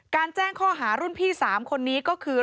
แจ้งข้อหารุ่นพี่๓คนนี้ก็คือ